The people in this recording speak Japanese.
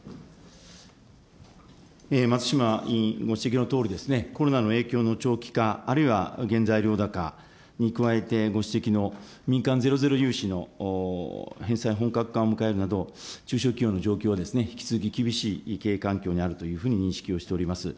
松島委員ご指摘のとおり、コロナの影響の長期化、あるいは原材料高に加えて、ご指摘の民間ゼロゼロ融資の返済本格化を迎えるなど、中小企業の状況は引き続き厳しい経営環境にあるというふうに認識をしております。